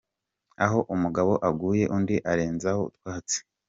Aho umugabo aguye, undi arenzaho utwatsi.